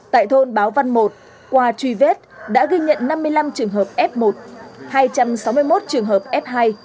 tại thôn báo văn i qua truy vết đã ghi nhận năm mươi năm trường hợp f một hai trăm sáu mươi một trường hợp f hai